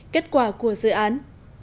kết quả của dự án